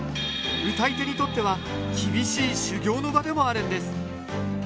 うたい手にとっては厳しい修業の場でもあるんです。